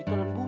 di tengah buah